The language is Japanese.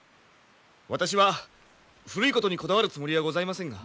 私は古いことにこだわるつもりはございませんが。